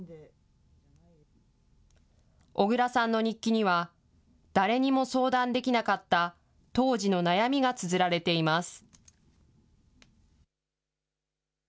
おぐらさんの日記には、誰にも相談できなかった当時の悩みがつづられています。